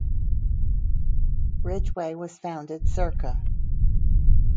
Ridgeway was founded ca.